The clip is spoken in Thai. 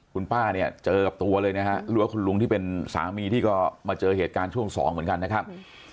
คุณป้าเนี่ยเจอกับตัวเลยนะฮะหรือว่าคุณลุงที่เป็นสามีที่ก็มาเจอเหตุการณ์ช่วงสองเหมือนกันนะครับ